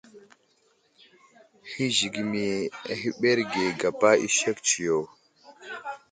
Hi zigəmi ahəɓerge gapa i sek tsiyo.